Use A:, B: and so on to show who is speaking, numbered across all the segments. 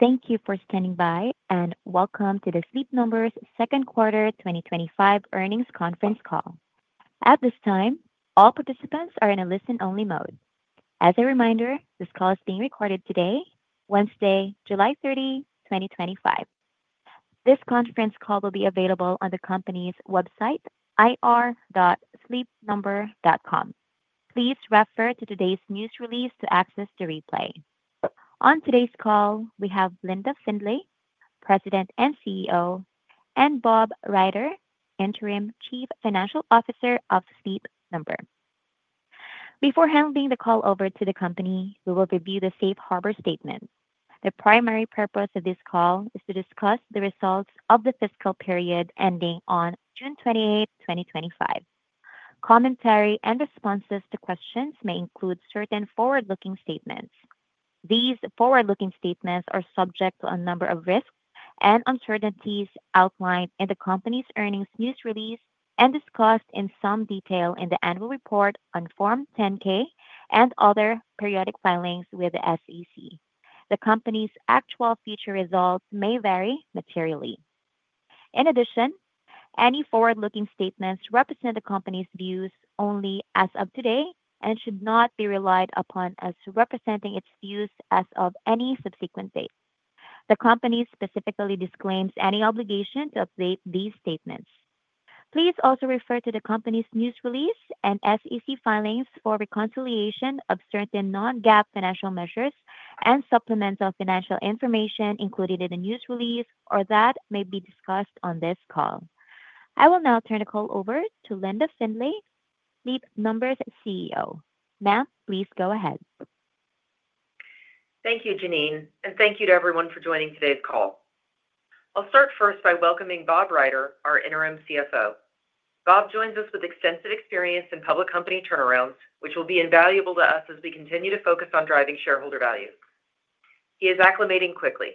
A: Thank you for standing by and welcome to Sleep Number's second quarter 2025 earnings conference call. At this time, all participants are in a listen-only mode. As a reminder, this call is being recorded today, Wednesday, July 30, 2025. This conference call will be available on the company's website ir.sleepnumber.com. Please refer to today's news release to access the replay. On today's call, we have Linda Findley, President and CEO, and Bob Ryder, Interim Chief Financial Officer of Sleep Number Corporation. Before handing the call over to the company, we will review the safe harbor statement. The primary purpose of this call is to discuss the results of the fiscal period ending on June 28, 2025. Commentary and responses to questions may include certain forward-looking statements. These forward-looking statements are subject to a number of risks and uncertainties outlined in the company's earnings news release and discussed in some detail in the annual report on Form 10-K and other periodic filings with the SEC. The company's actual future results may vary materially. In addition, any forward-looking statements represent the company's views only as of today and should not be relied upon as representing its views as of any subsequent date. The company specifically disclaims any obligation to update these statements. Please also refer to the company's news release and SEC filings for reconciliation of certain non-GAAP financial measures and supplemental financial information included in the news release or that may be discussed on this call. I will now turn the call over to Linda Findley, Sleep Number's CEO. Ma'am, please go ahead.
B: Thank you, Janine, and thank you to everyone for joining today's call. I'll start first by welcoming Bob Ryder, our Interim CFO. Bob joins us with extensive experience in public company turnarounds, which will be invaluable to us as we continue to focus on driving shareholder value. He is acclimating quickly.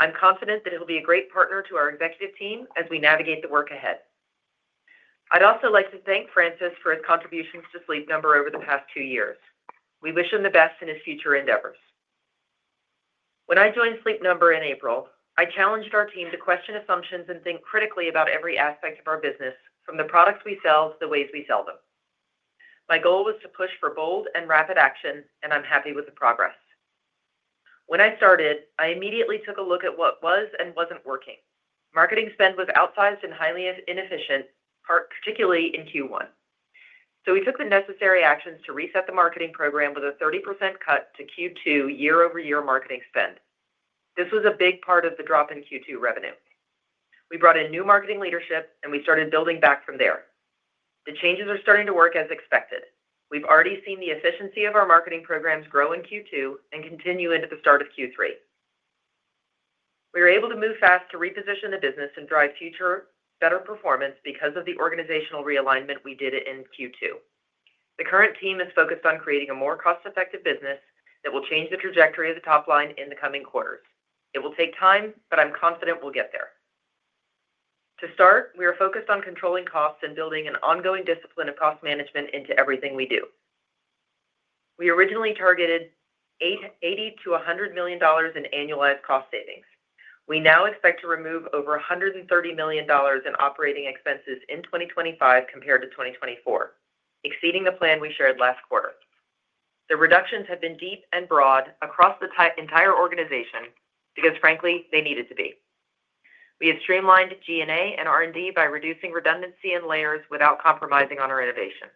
B: I'm confident that he'll be a great partner to our executive team as we navigate the work ahead. I'd also like to thank Francis for his contributions to Sleep Number over the past two years. We wish him the best in his future endeavors. When I joined Sleep Number in April, I challenged our team to question assumptions and think critically about every aspect of our business, from the products we sell to the ways we sell them. My goal was to push for bold and rapid action, and I'm happy with the progress. When I started, I immediately took a look at what was and wasn't working. Marketing spend was outsized and highly inefficient, particularly in Q1. We took the necessary actions to reset the marketing program with a 30% cut to Q2 year-over-year marketing spend. This was a big part of the drop in Q2 revenue. We brought in new marketing leadership, and we started building back from there. The changes are starting to work as expected. We've already seen the efficiency of our marketing programs grow in Q2 and continue into the start of Q3. We were able to move fast to reposition the business and drive future better performance because of the organizational realignment we did in Q2. The current team is focused on creating a more cost-effective business that will change the trajectory of the top line in the coming quarters. It will take time, but I'm confident we'll get there. To start, we are focused on controlling costs and building an ongoing discipline of cost management into everything we do. We originally targeted $80 million-$100 million in annualized cost savings. We now expect to remove over $130 million in operating expenses in 2025 compared to 2024, exceeding the plan we shared last quarter. The reductions have been deep and broad across the entire organization because, frankly, they needed to be. We have streamlined G&A and R&D by reducing redundancy in layers without compromising on our innovation.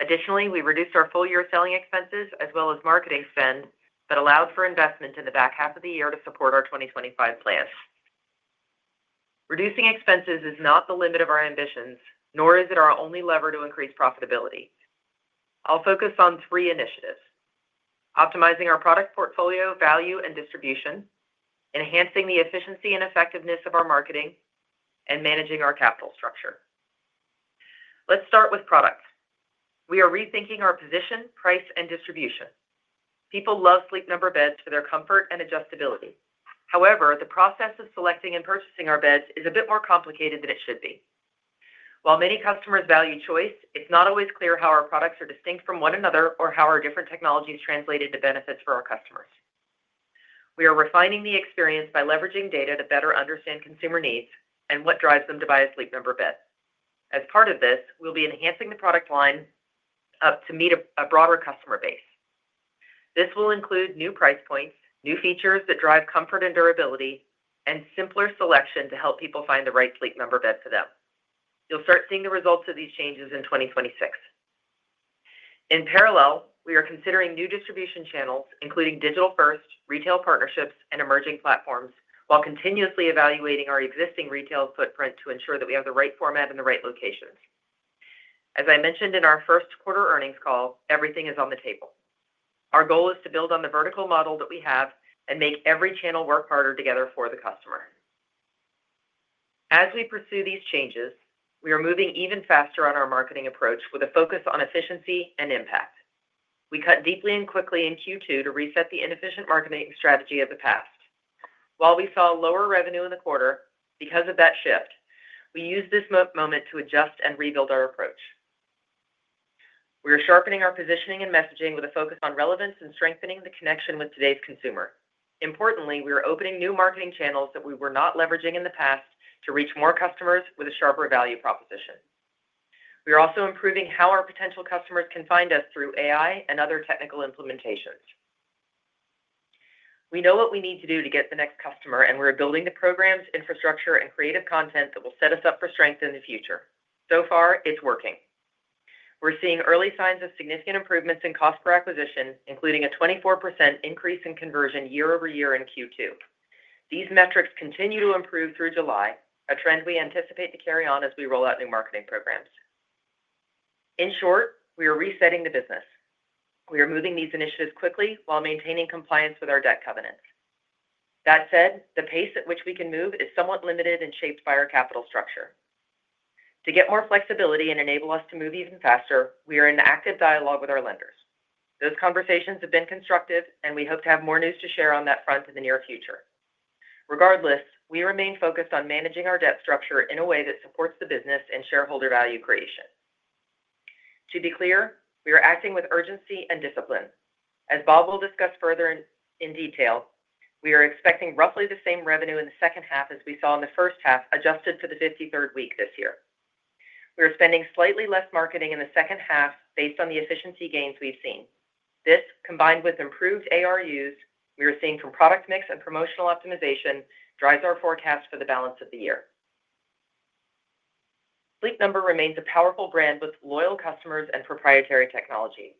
B: Additionally, we reduced our full-year selling expenses as well as marketing spend, but allowed for investment in the back half of the year to support our 2025 plans. Reducing expenses is not the limit of our ambitions, nor is it our only lever to increase profitability. I'll focus on three initiatives: optimizing our product portfolio, value, and distribution, enhancing the efficiency and effectiveness of our marketing, and managing our capital structure. Let's start with products. We are rethinking our position, price, and distribution. People love Sleep Number beds for their comfort and adjustability. However, the process of selecting and purchasing our beds is a bit more complicated than it should be. While many customers value choice, it's not always clear how our products are distinct from one another or how our different technologies translate into benefits for our customers. We are refining the experience by leveraging data to better understand consumer needs and what drives them to buy a Sleep Number bed. As part of this, we'll be enhancing the product line to meet a broader customer base. This will include new price points, new features that drive comfort and durability, and simpler selection to help people find the right Sleep Number bed for them. You'll start seeing the results of these changes in 2026. In parallel, we are considering new distribution channels, including digital-first retail partnerships and emerging platforms, while continuously evaluating our existing retail footprint to ensure that we have the right format in the right locations. As I mentioned in our first quarter earnings call, everything is on the table. Our goal is to build on the vertical model that we have and make every channel work harder together for the customer. As we pursue these changes, we are moving even faster on our marketing approach with a focus on efficiency and impact. We cut deeply and quickly in Q2 to reset the inefficient marketing strategy of the past. While we saw lower revenue in the quarter because of that shift, we used this moment to adjust and rebuild our approach. We are sharpening our positioning and messaging with a focus on relevance and strengthening the connection with today's consumer. Importantly, we are opening new marketing channels that we were not leveraging in the past to reach more customers with a sharper value proposition. We are also improving how our potential customers can find us through AI and other technical implementations. We know what we need to do to get the next customer, and we're building the programs, infrastructure, and creative content that will set us up for strength in the future. It's working. We're seeing early signs of significant improvements in cost per acquisition, including a 24% increase in conversion year-over-year in Q2. These metrics continue to improve through July, a trend we anticipate to carry on as we roll out new marketing programs. In short, we are resetting the business. We are moving these initiatives quickly while maintaining compliance with our debt covenants. That said, the pace at which we can move is somewhat limited and shaped by our capital structure. To get more flexibility and enable us to move even faster, we are in active dialogue with our lenders. Those conversations have been constructive, and we hope to have more news to share on that front in the near future. Regardless, we remain focused on managing our debt structure in a way that supports the business and shareholder value creation. To be clear, we are acting with urgency and discipline. As Bob will discuss further in detail, we are expecting roughly the same revenue in the second half as we saw in the first half, adjusted for the 53rd week this year. We are spending slightly less on marketing in the second half based on the efficiency gains we've seen. This, combined with improved ARUs we are seeing from product mix and promotional optimization, drives our forecast for the balance of the year. Sleep Number remains a powerful brand with loyal customers and proprietary technology.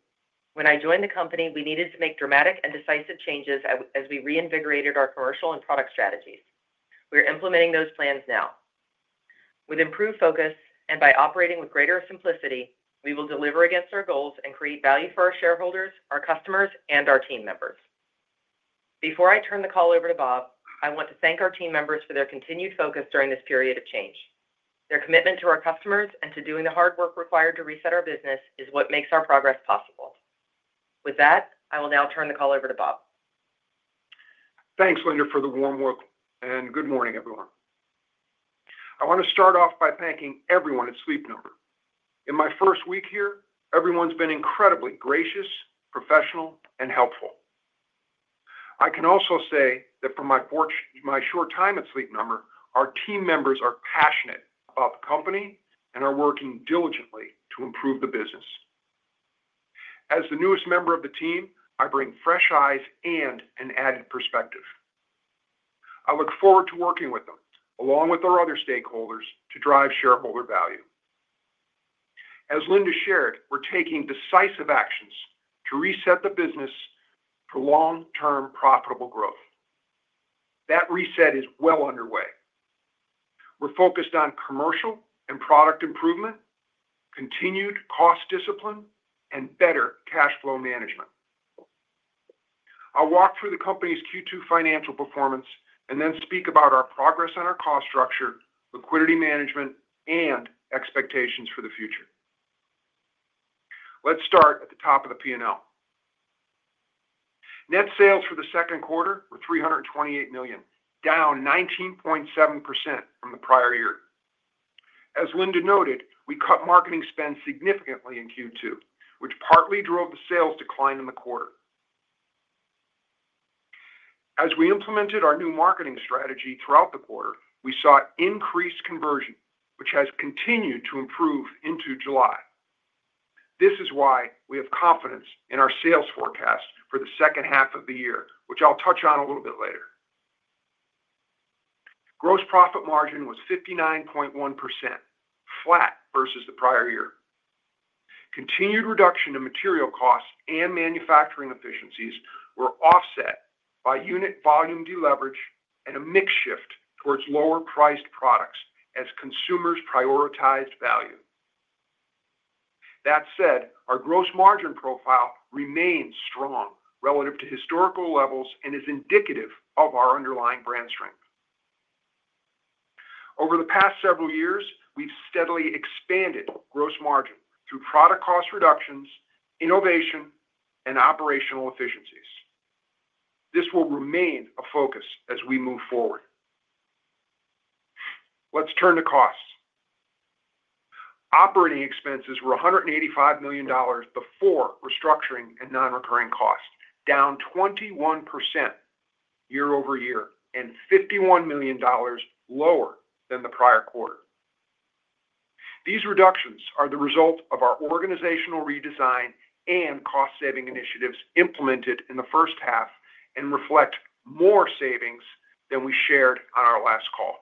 B: When I joined the company, we needed to make dramatic and decisive changes as we reinvigorated our commercial and product strategies. We are implementing those plans now. With improved focus and by operating with greater simplicity, we will deliver against our goals and create value for our shareholders, our customers, and our team members. Before I turn the call over to Bob, I want to thank our team members for their continued focus during this period of change. Their commitment to our customers and to doing the hard work required to reset our business is what makes our progress possible. With that, I will now turn the call over to Bob.
C: Thanks, Linda, for the warm welcome, and good morning, everyone. I want to start off by thanking everyone at Sleep Number. In my first week here, everyone's been incredibly gracious, professional, and helpful. I can also say that for my short time at Sleep Number, our team members are passionate about the company and are working diligently to improve the business. As the newest member of the team, I bring fresh eyes and an added perspective. I look forward to working with them, along with our other stakeholders, to drive shareholder value. As Linda shared, we're taking decisive actions to reset the business for long-term profitable growth. That reset is well underway. We're focused on commercial and product improvement, continued cost discipline, and better cash flow management. I'll walk through the company's Q2 financial performance and then speak about our progress on our cost structure, liquidity management, and expectations for the future. Let's start at the top of the P&L. Net sales for the second quarter were $328 million, down 19.7% from the prior year. As Linda noted, we cut marketing spend significantly in Q2, which partly drove the sales decline in the quarter. As we implemented our new marketing strategy throughout the quarter, we saw increased conversion, which has continued to improve into July. This is why we have confidence in our sales forecast for the second half of the year, which I'll touch on a little bit later. Gross profit margin was 59.1%, flat versus the prior year. Continued reduction in material costs and manufacturing efficiencies were offset by unit volume deleverage and a mix shift towards lower-priced products as consumers prioritized value. That said, our gross margin profile remains strong relative to historical levels and is indicative of our underlying brand strength. Over the past several years, we've steadily expanded gross margin through product cost reductions, innovation, and operational efficiencies. This will remain a focus as we move forward. Let's turn to costs. Operating expenses were $185 million before restructuring and non-recurring costs, down 21% year-over-year and $51 million lower than the prior quarter. These reductions are the result of our organizational redesign and cost-saving initiatives implemented in the first half and reflect more savings than we shared on our last call.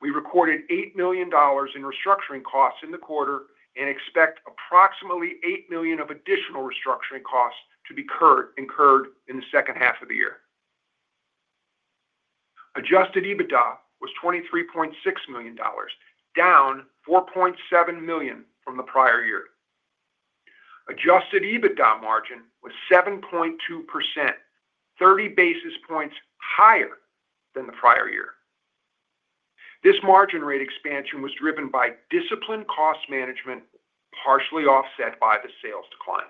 C: We recorded $8 million in restructuring costs in the quarter and expect approximately $8 million of additional restructuring costs to be incurred in the second half of the year. Adjusted EBITDA was $23.6 million, down $4.7 million from the prior year. Adjusted EBITDA margin was 7.2%, 30 basis points higher than the prior year. This margin rate expansion was driven by disciplined cost management, partially offset by the sales decline.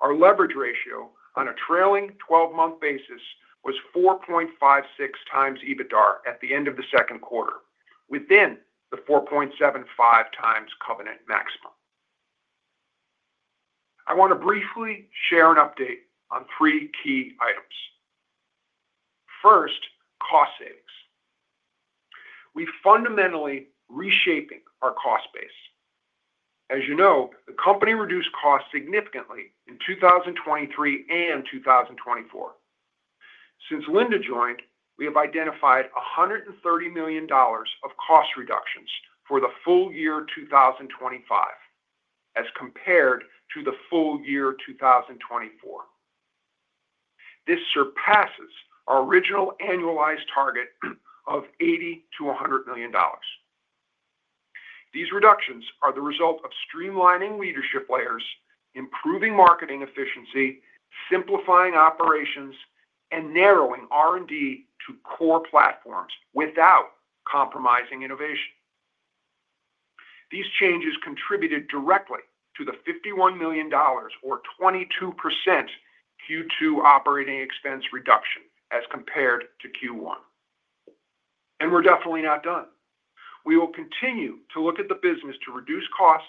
C: Our leverage ratio on a trailing 12-month basis was 4.56x EBITDA at the end of the second quarter, within the 4.75x covenant maximum. I want to briefly share an update on three key items. First, cost savings. We've fundamentally reshaped our cost base. As you know, the company reduced costs significantly in 2023 and 2024. Since Linda joined, we have identified $130 million of cost reductions for the full year 2025 as compared to the full year 2024. This surpasses our original annualized target of $80 million-$100 million. These reductions are the result of streamlining leadership layers, improving marketing efficiency, simplifying operations, and narrowing R&D to core platforms without compromising innovation. These changes contributed directly to the $51 million, or 22%, Q2 operating expense reduction as compared to Q1. We're definitely not done. We will continue to look at the business to reduce costs,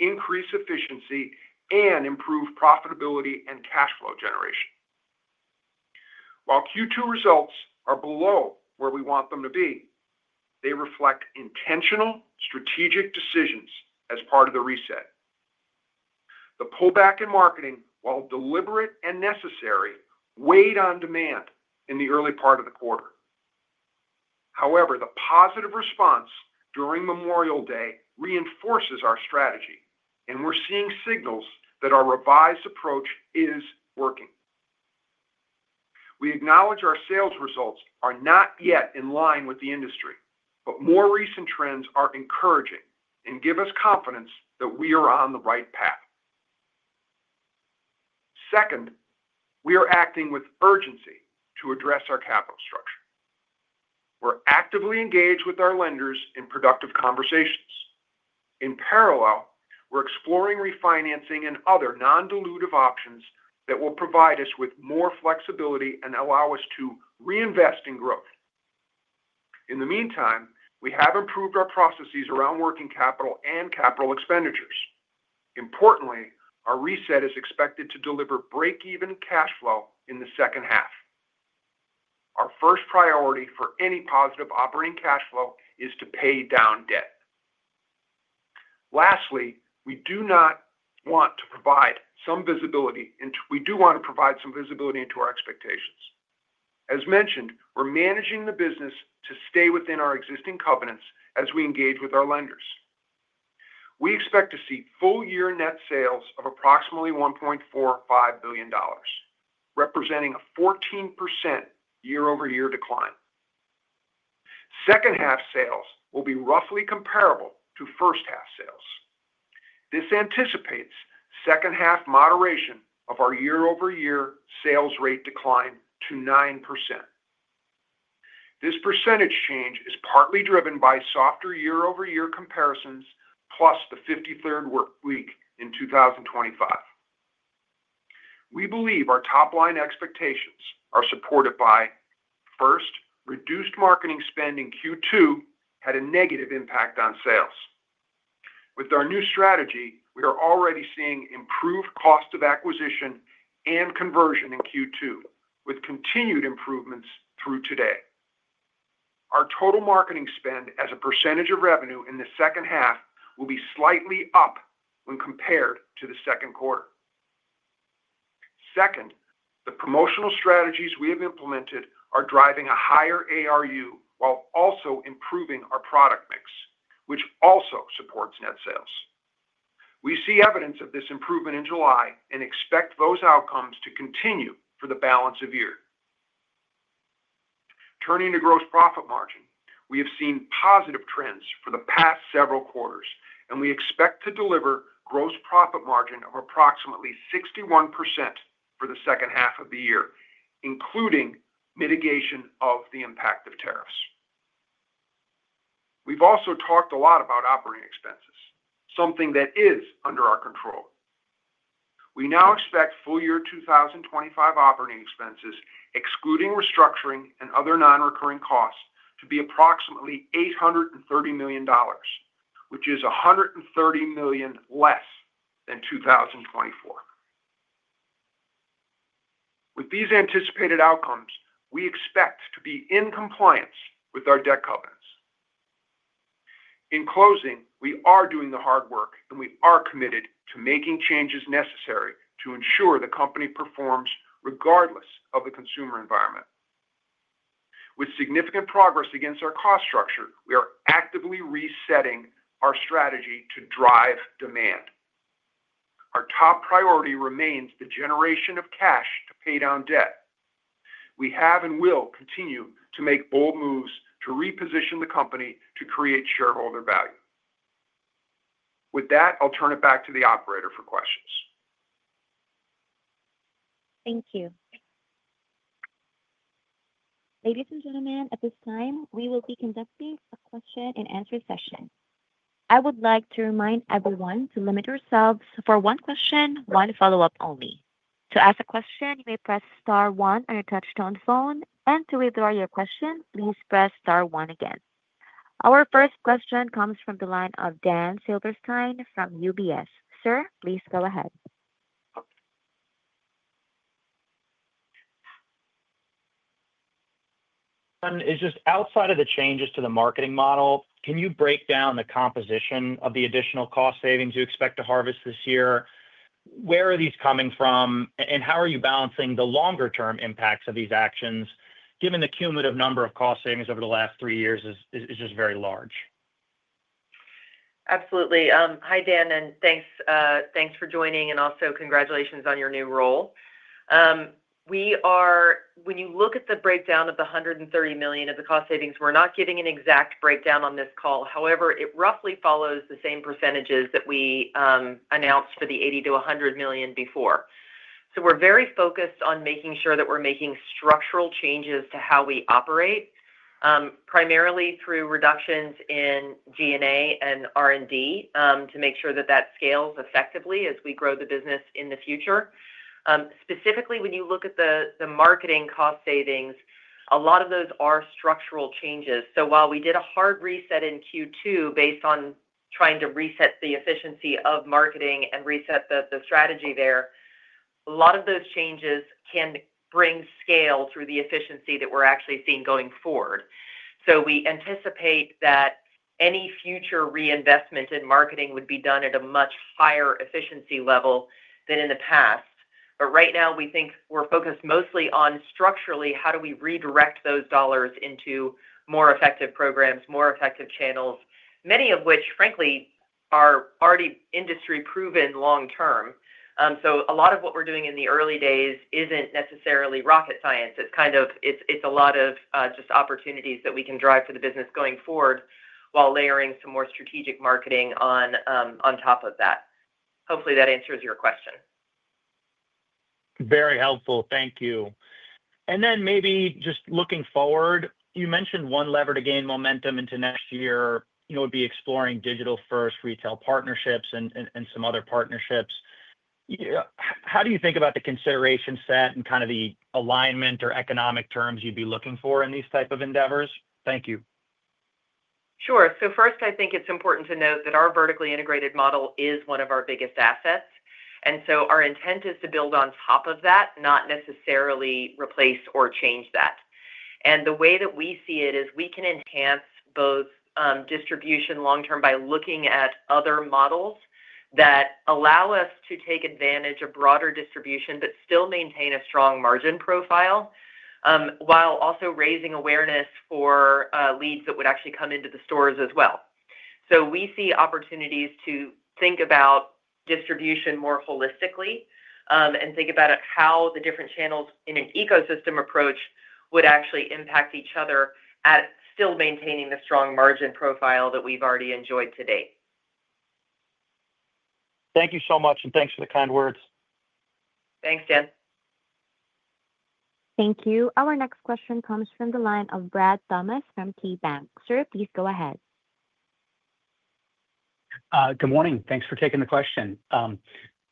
C: increase efficiency, and improve profitability and cash flow generation. While Q2 results are below where we want them to be, they reflect intentional strategic decisions as part of the reset. The pullback in marketing, while deliberate and necessary, weighed on demand in the early part of the quarter. However, the positive response during Memorial Day reinforces our strategy, and we're seeing signals that our revised approach is working. We acknowledge our sales results are not yet in line with the industry, but more recent trends are encouraging and give us confidence that we are on the right path. Second, we are acting with urgency to address our capital structure. We're actively engaged with our lenders in productive conversations. In parallel, we're exploring refinancing and other non-dilutive options that will provide us with more flexibility and allow us to reinvest in growth. In the meantime, we have improved our processes around working capital and capital expenditures. Importantly, our reset is expected to deliver break-even cash flow in the second half. Our first priority for any positive operating cash flow is to pay down debt. Lastly, we do want to provide some visibility into our expectations. As mentioned, we're managing the business to stay within our existing debt covenants as we engage with our lenders. We expect to see full-year net sales of approximately $1.45 billion, representing a 14% year-over-year decline. Second half sales will be roughly comparable to first half sales. This anticipates second half moderation of our year-over-year sales rate decline to 9%. This percentage change is partly driven by softer year-over-year comparisons, plus the 53rd week in 2025. We believe our top line expectations are supported by, first, reduced marketing spend in Q2 had a negative impact on sales. With our new strategy, we are already seeing improved cost of acquisition and conversion in Q2, with continued improvements through today. Our total marketing spend as a percentage of revenue in the second half will be slightly up when compared to the second quarter. Second, the promotional strategies we have implemented are driving a higher ARU while also improving our product mix, which also supports net sales. We see evidence of this improvement in July and expect those outcomes to continue for the balance of year. Turning to gross profit margin, we have seen positive trends for the past several quarters, and we expect to deliver gross profit margin of approximately 61% for the second half of the year, including mitigation of the impact of tariffs. We've also talked a lot about operating expenses, something that is under our control. We now expect full-year 2025 operating expenses, excluding restructuring and other non-recurring costs, to be approximately $830 million, which is $130 million less than 2024. With these anticipated outcomes, we expect to be in compliance with our debt covenants. In closing, we are doing the hard work, and we are committed to making changes necessary to ensure the company performs regardless of the consumer environment. With significant progress against our cost structure, we are actively resetting our strategy to drive demand. Our top priority remains the generation of cash to pay down debt. We have and will continue to make bold moves to reposition the company to create shareholder value. With that, I'll turn it back to the operator for questions.
A: Thank you. Ladies and gentlemen, at this time, we will be conducting a question and answer session. I would like to remind everyone to limit yourselves to one question, one follow-up only. To ask a question, you may press star one on your touchtone phone, and to withdraw your question, please press star one again. Our first question comes from the line of Dan Silverstein from UBS. Sir, please go ahead.
D: It's just outside of the changes to the marketing model, can you break down the composition of the additional cost savings you expect to harvest this year? Where are these coming from, and how are you balancing the longer-term impacts of these actions, given the cumulative number of cost savings over the last three years is just very large?
B: Absolutely. Hi, Dan, and thanks for joining, and also congratulations on your new role. When you look at the breakdown of the $130 million of the cost savings, we're not getting an exact breakdown on this call. However, it roughly follows the same percentages that we announced for the $80 million-$100 million before. We're very focused on making sure that we're making structural changes to how we operate, primarily through reductions in G&A and R&D to make sure that that scales effectively as we grow the business in the future. Specifically, when you look at the marketing cost savings, a lot of those are structural changes. While we did a hard reset in Q2 based on trying to reset the efficiency of marketing and reset the strategy there, a lot of those changes can bring scale through the efficiency that we're actually seeing going forward. We anticipate that any future reinvestment in marketing would be done at a much higher efficiency level than in the past. Right now, we think we're focused mostly on structurally how do we redirect those dollars into more effective programs, more effective channels, many of which, frankly, are already industry-proven long term. A lot of what we're doing in the early days isn't necessarily rocket science. It's kind of a lot of just opportunities that we can drive for the business going forward while layering some more strategic marketing on top of that. Hopefully, that answers your question.
D: Very helpful. Thank you. Maybe just looking forward, you mentioned one lever to gain momentum into next year would be exploring digital-first retail partnerships and some other partnerships. How do you think about the consideration set and the alignment or economic terms you'd be looking for in these types of endeavors? Thank you.
B: Sure. First, I think it's important to note that our vertically integrated model is one of our biggest assets. Our intent is to build on top of that, not necessarily replace or change that. The way that we see it is we can enhance both distribution long term by looking at other models that allow us to take advantage of broader distribution, but still maintain a strong margin profile while also raising awareness for leads that would actually come into the stores as well. We see opportunities to think about distribution more holistically and think about how the different channels in an ecosystem approach would actually impact each other while still maintaining the strong margin profile that we've already enjoyed today.
D: Thank you so much, and thanks for the kind words.
B: Thanks, Dan.
A: Thank you. Our next question comes from the line of Brad Thomas from KeyBanc. Sir, please go ahead.
E: Good morning. Thanks for taking the question.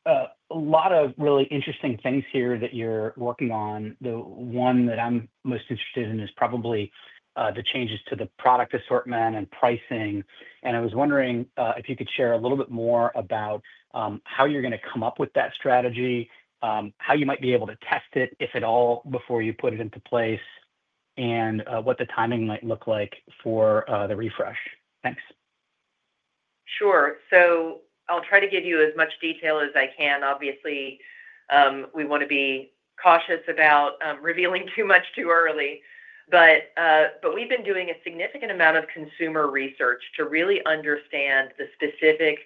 E: A lot of really interesting things here that you're working on. The one that I'm most interested in is probably the changes to the product assortment and pricing. I was wondering if you could share a little bit more about how you're going to come up with that strategy, how you might be able to test it, if at all, before you put it into place, and what the timing might look like for the refresh. Thanks.
B: Sure. I'll try to give you as much detail as I can. Obviously, we want to be cautious about revealing too much too early. We've been doing a significant amount of consumer research to really understand the specific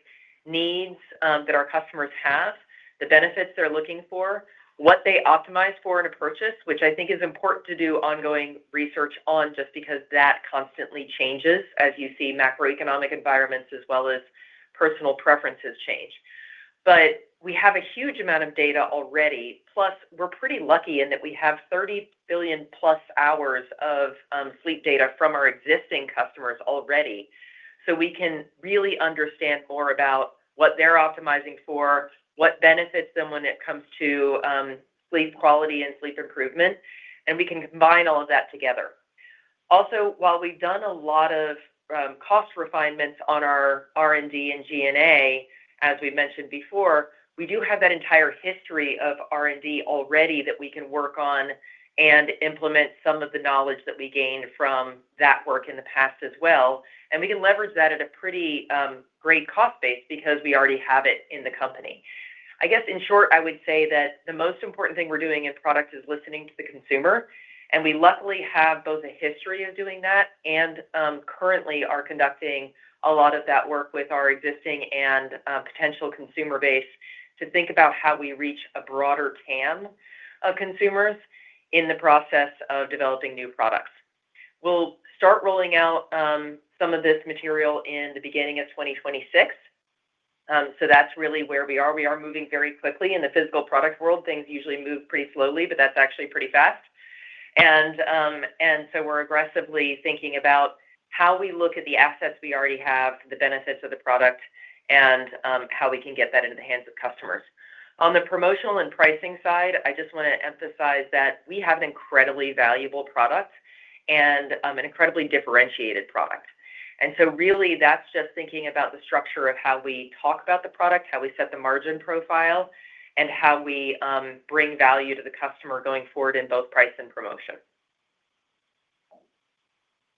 B: needs that our customers have, the benefits they're looking for, what they optimize for in a purchase, which I think is important to do ongoing research on just because that constantly changes as you see macroeconomic environments as well as personal preferences change. We have a huge amount of data already. Plus, we're pretty lucky in that we have 30+ billion hours of sleep data from our existing customers already. We can really understand more about what they're optimizing for, what benefits them when it comes to sleep quality and sleep improvement. We can combine all of that together. Also, while we've done a lot of cost refinements on our R&D and G&A, as we mentioned before, we do have that entire history of R&D already that we can work on and implement some of the knowledge that we gained from that work in the past as well. We can leverage that at a pretty great cost base because we already have it in the company. I guess in short, I would say that the most important thing we're doing in product is listening to the consumer. We luckily have both a history of doing that and currently are conducting a lot of that work with our existing and potential consumer base to think about how we reach a broader TAM of consumers in the process of developing new products. We'll start rolling out some of this material in the beginning of 2026. That's really where we are. We are moving very quickly in the physical product world. Things usually move pretty slowly, but that's actually pretty fast. We're aggressively thinking about how we look at the assets we already have, the benefits of the product, and how we can get that into the hands of customers. On the promotional and pricing side, I just want to emphasize that we have an incredibly valuable product and an incredibly differentiated product. That's just thinking about the structure of how we talk about the product, how we set the margin profile, and how we bring value to the customer going forward in both price and promotion.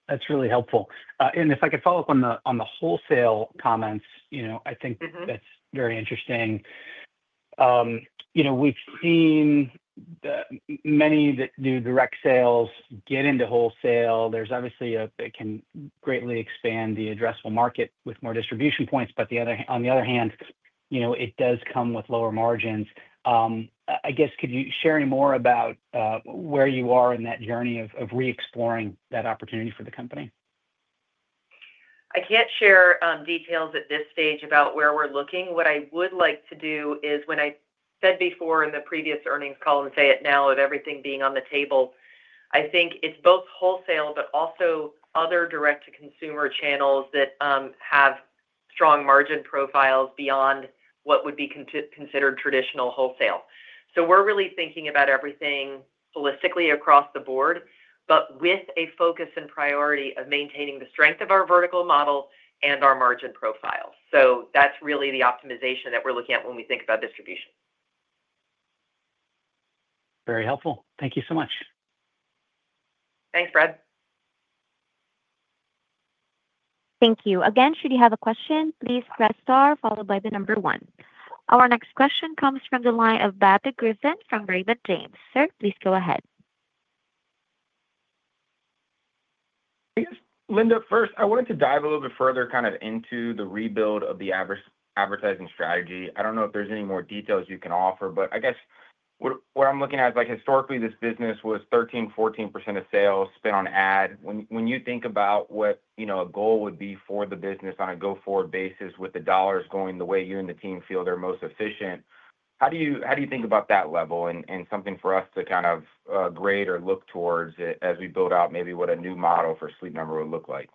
E: That's really helpful. If I could follow up on the wholesale comments, I think that's very interesting. We've seen many that do direct sales get into wholesale. Obviously, it can greatly expand the addressable market with more distribution points. On the other hand, it does come with lower margins. I guess, could you share any more about where you are in that journey of re-exploring that opportunity for the company?
B: I can't share details at this stage about where we're looking. What I would like to do is, when I said before in the previous earnings call and say it now, of everything being on the table, I think it's both wholesale, but also other direct-to-consumer channels that have strong margin profiles beyond what would be considered traditional wholesale. We are really thinking about everything holistically across the board, with a focus and priority of maintaining the strength of our vertical model and our margin profile. That's really the optimization that we're looking at when we think about distribution.
E: Very helpful. Thank you so much.
B: Thanks, Brad.
A: Thank you. Again, should you have a question, please press star followed by the number one. Our next question comes from the line of Robert Griffin from Raymond James. Sir, please go ahead.
F: I guess, Linda, first, I wanted to dive a little bit further into the rebuild of the advertising strategy. I don't know if there's any more details you can offer, but I guess what I'm looking at is, historically, this business was 13%, 14% of sales spent on ad. When you think about what a goal would be for the business on a go-forward basis with the dollars going the way you and the team feel they're most efficient, how do you think about that level and something for us to grade or look towards as we build out maybe what a new model for Sleep Number would look like?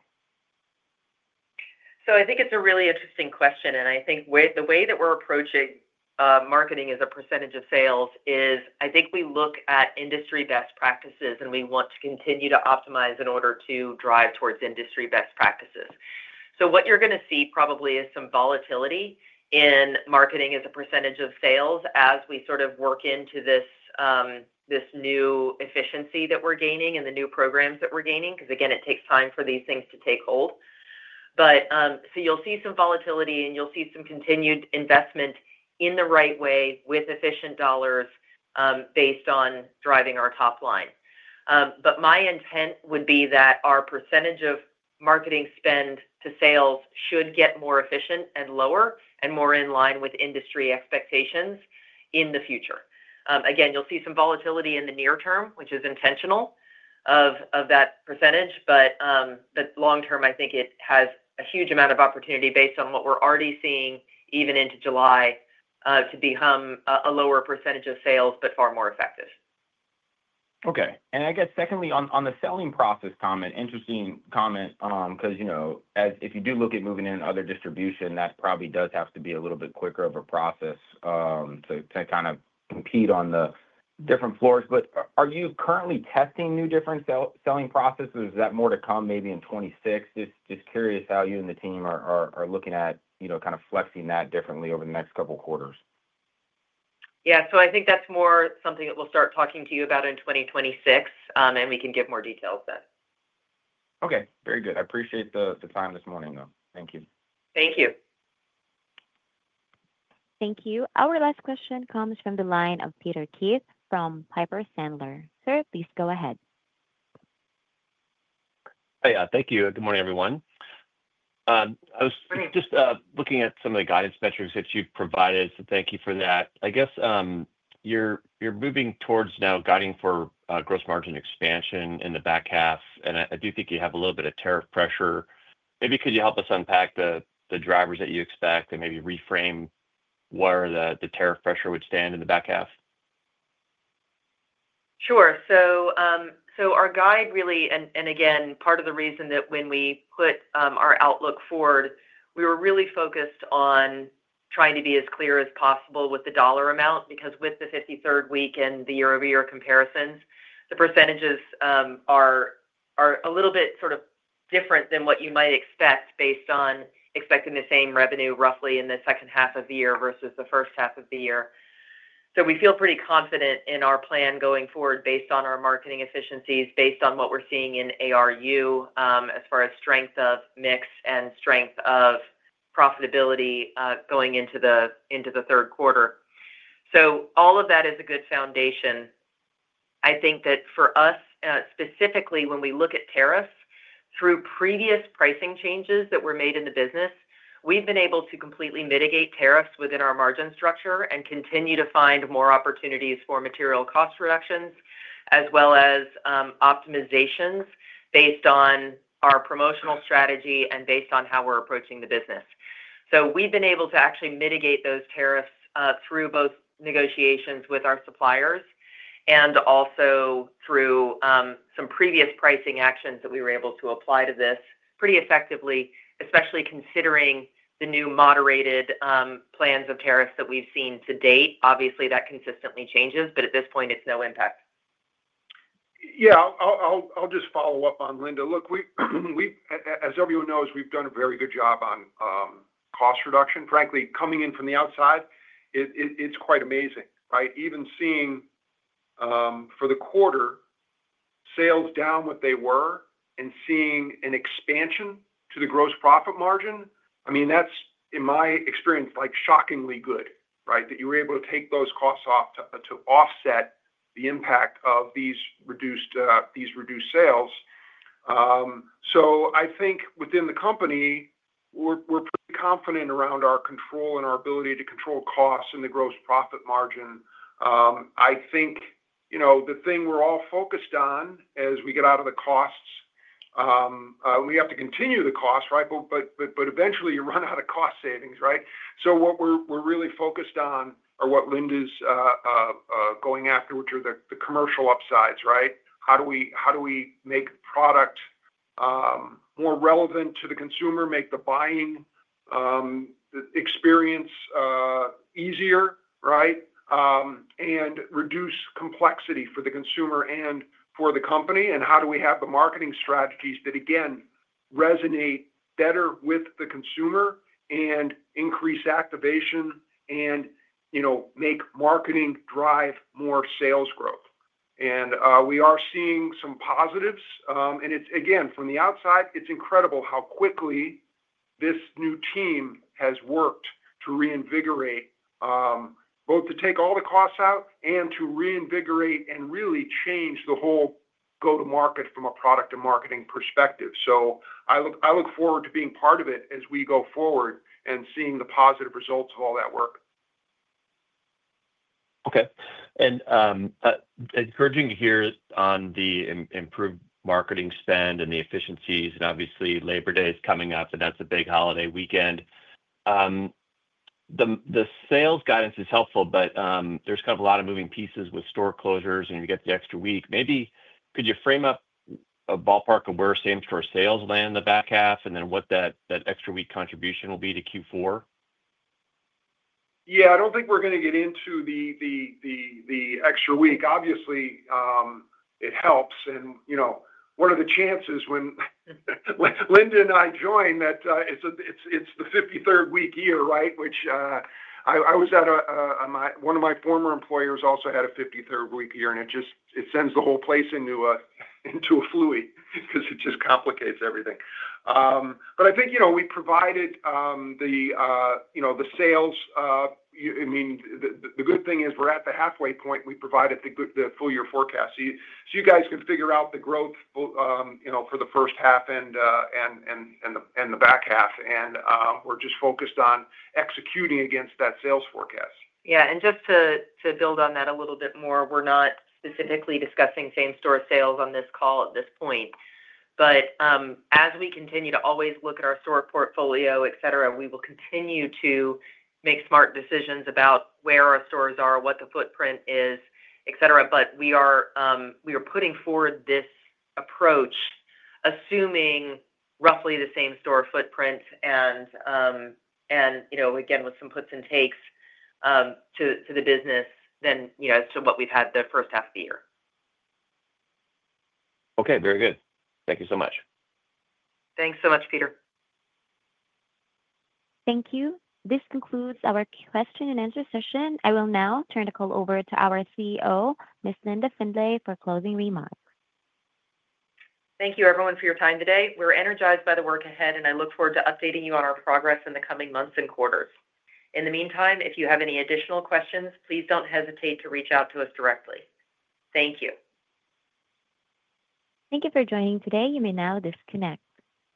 B: I think it's a really interesting question. I think the way that we're approaching marketing as a percentage of sales is we look at industry best practices and we want to continue to optimize in order to drive towards industry best practices. You're going to see probably some volatility in marketing as a percentages of sales as we sort of work into this new efficiency that we're gaining and the new programs that we're gaining because, again, it takes time for these things to take hold. You'll see some volatility and you'll see some continued investment in the right way with efficient dollars based on driving our top line. My intent would be that our percentage of marketing spend to sales should get more efficient and lower and more in line with industry expectations in the future. You'll see some volatility in the near term, which is intentional of that percentage, but the long term, I think it has a huge amount of opportunity based on what we're already seeing even into July to become a lower percentage of sales, but far more effective.
F: Okay. I guess secondly, on the selling process comment, interesting comment because, you know, if you do look at moving in other distribution, that probably does have to be a little bit quicker of a process to kind of compete on the different floors. Are you currently testing new different selling processes? Is that more to come maybe in 2026? Just curious how you and the team are looking at, you know, kind of flexing that differently over the next couple of quarters.
B: I think that's more something that we'll start talking to you about in 2026, and we can give more details then.
F: Okay. Very good. I appreciate the time this morning, though. Thank you.
B: Thank you.
A: Thank you. Our last question comes from the line of Peter Keith from Piper Sandler. Sir, please go ahead.
G: Thank you. Good morning, everyone. I was just looking at some of the guidance metrics that you provided, so thank you for that. I guess you're moving towards now guiding for gross margin expansion in the back half, and I do think you have a little bit of tariff pressure. Maybe could you help us unpack the drivers that you expect and maybe reframe where the tariff pressure would stand in the back half?
B: Sure. Our guide really, and again, part of the reason that when we put our outlook forward, we were really focused on trying to be as clear as possible with the dollar amount because with the 53rd week and the year-over-year comparisons, the percentages are a little bit sort of different than what you might expect based on expecting the same revenue roughly in the second half of the year versus the first half of the year. We feel pretty confident in our plan going forward based on our marketing efficiencies, based on what we're seeing in ARU as far as strength of mix and strength of profitability going into the third quarter. All of that is a good foundation. I think that for us specifically, when we look at tariffs, through previous pricing changes that were made in the business, we've been able to completely mitigate tariffs within our margin structure and continue to find more opportunities for material cost reductions, as well as optimizations based on our promotional strategy and based on how we're approaching the business. We've been able to actually mitigate those tariffs through both negotiations with our suppliers and also through some previous pricing actions that we were able to apply to this pretty effectively, especially considering the new moderated plans of tariffs that we've seen to date. Obviously, that consistently changes, but at this point, it's no impact.
C: Yeah. I'll just follow up on Linda. Look, as everyone knows, we've done a very good job on cost reduction. Frankly, coming in from the outside, it's quite amazing, right? Even seeing for the quarter sales down what they were and seeing an expansion to the gross profit margin, that's, in my experience, like shockingly good, right, that you were able to take those costs off to offset the impact of these reduced sales. I think within the company, we're confident around our control and our ability to control costs and the gross profit margin. I think the thing we're all focused on as we get out of the costs, and we have to continue the costs, right? Eventually, you run out of cost savings, right? What we're really focused on are what Linda's going after, which are the commercial upsides, right? How do we make product more relevant to the consumer, make the buying experience easier, and reduce complexity for the consumer and for the company? How do we have the marketing strategies that, again, resonate better with the consumer and increase activation and make marketing drive more sales growth? We are seeing some positives. It's, again, from the outside, incredible how quickly this new team has worked to reinvigorate, both to take all the costs out and to reinvigorate and really change the whole go-to-market from a product and marketing perspective. I look forward to being part of it as we go forward and seeing the positive results of all that work.
G: Okay. Encouraging to hear on the improved marketing spend and the efficiencies, and obviously, Labor Day is coming up, and that's a big holiday weekend. The sales guidance is helpful, but there's kind of a lot of moving pieces with store closures and you get the extra week. Maybe could you frame up a ballpark of where same-store sales land in the back half and then what that extra week contribution will be to Q4?
C: Yeah. I don't think we're going to get into the extra week. Obviously, it helps. You know, what are the chances when Linda and I join that it's the 53rd week year, right? I was at one of my former employers that also had a 53rd week year, and it just sends the whole place into a fluid because it just complicates everything. I think we provided the sales. The good thing is we're at the halfway point. We provided the full-year forecast, so you guys can figure out the growth for the first half and the back half. We're just focused on executing against that sales forecast.
B: Yeah. Just to build on that a little bit more, we're not specifically discussing same-store sales on this call at this point. As we continue to always look at our store portfolio, we will continue to make smart decisions about where our stores are, what the footprint is, and so on. We are putting forward this approach, assuming roughly the same store footprint with some puts and takes to the business as to what we've had the first half of the year.
G: Okay. Very good. Thank you so much.
B: Thanks so much, Peter.
A: Thank you. This concludes our question and answer session. I will now turn the call over to our CEO, Ms. Linda Findley, for closing remarks.
B: Thank you, everyone, for your time today. We're energized by the work ahead, and I look forward to updating you on our progress in the coming months and quarters. In the meantime, if you have any additional questions, please don't hesitate to reach out to us directly. Thank you.
A: Thank you for joining today. You may now disconnect.